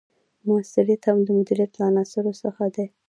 مؤثریت هم د مدیریت له عناصرو څخه دی.